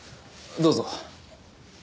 どうぞ。